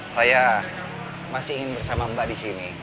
saya masih ingin bersama mbak di sini